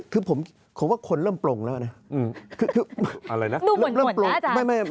คือผมผมว่าคนเริ่มปลงแล้วนะอืมคือคืออะไรนะเริ่มปลงไม่ไม่